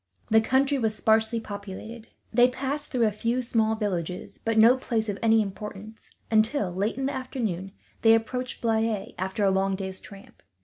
The country was sparsely populated. They passed through a few small villages, but no place of any importance until, late in the afternoon, they approached Blaye, after a long day's tramp.